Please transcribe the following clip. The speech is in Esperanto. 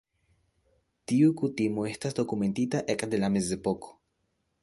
Tiu kutimo estas dokumentita ekde la Mezepoko.